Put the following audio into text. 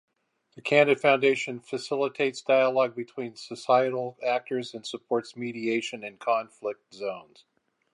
The Candid Foundation facilitates dialogue between societal actors and supports mediation in conflict zones.